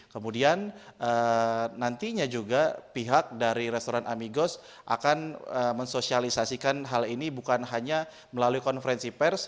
kemudian nantinya juga pihak dari restoran amigos akan mensosialisasikan hal ini bukan hanya melalui konferensi pers